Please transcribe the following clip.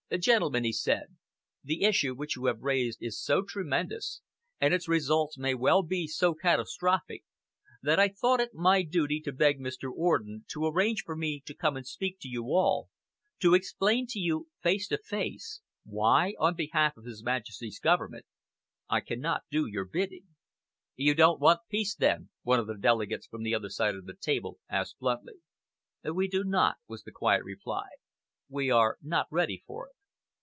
"Gentlemen," he said, "the issue which you have raised is so tremendous, and its results may well be so catastrophic, that I thought it my duty to beg Mr. Orden to arrange for me to come and speak to you all, to explain to you face to face why, on behalf of His Majesty's Government, I cannot do your bidding." "You don't want peace, then?" one of the delegates from the other side of the table asked bluntly. "We do not," was the quiet reply. "We are not ready for it."